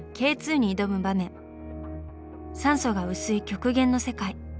酸素が薄い極限の世界。